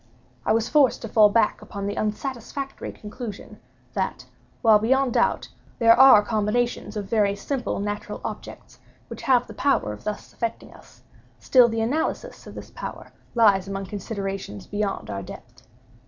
I was forced to fall back upon the unsatisfactory conclusion, that while, beyond doubt, there are combinations of very simple natural objects which have the power of thus affecting us, still the analysis of this power lies among considerations beyond our depth.